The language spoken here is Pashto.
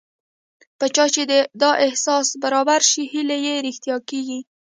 په چا چې دا احساس برابر شي هیلې یې رښتیا کېږي